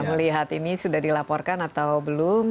melihat ini sudah dilaporkan atau belum